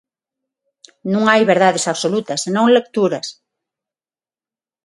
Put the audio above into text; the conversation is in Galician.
Non hai verdades absolutas, senón lecturas.